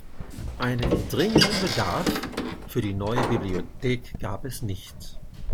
Einen dringenden Bedarf für die neue Bibliothek gab es nicht.